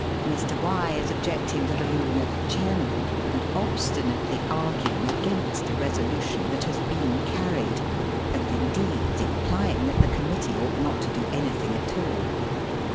Mr. Y is objecting to the ruling of the Chairman, and ob stinately arguing against a resolution that has been carried, and indeed implying that the Com mittee ought not to do anything at all.